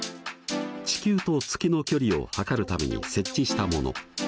地球と月の距離を測るために設置したもの。